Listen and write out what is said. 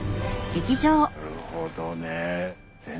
なるほどね。